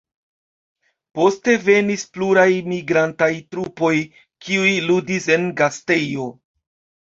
Poste venis pluraj migrantaj trupoj, kiuj ludis en gastejo.